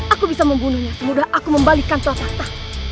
aku bisa membunuhnya semudah aku membalikan telapak tanganmu